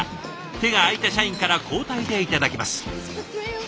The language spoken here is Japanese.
手が空いた社員から交代でいただきます。